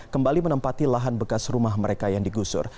kembali menempati lahan bekas rumah mereka yang digusur